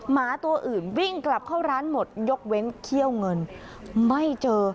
หมาตัวอื่นวิ่งกลับเข้าร้านหมดยกเว้นเขี้ยวเงินไม่เจอ